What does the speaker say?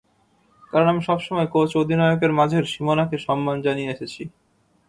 কারণ আমি সব সময়ই কোচ ও অধিনায়কের মাঝের সীমানাকে সম্মান জানিয়ে এসেছি।